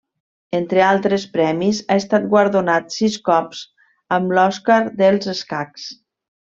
Entre altres premis, ha estat guardonat sis cops amb l'Òscar dels escacs.